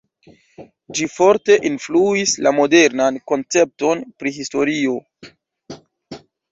Ĝi forte influis la modernan koncepton pri historio.